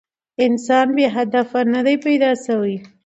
انسان بې هدفه نه دی پيداشوی